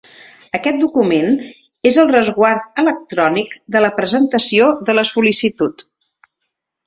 Aquest document és el resguard electrònic de la presentació de la sol·licitud.